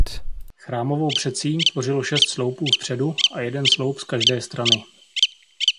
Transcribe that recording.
Chrámovou předsíň tvořilo šest sloupů vpředu a jeden sloup z každé strany.